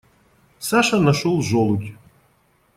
Саша нашел желудь.